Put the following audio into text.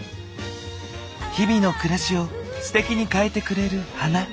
日々の暮らしをステキに変えてくれる花。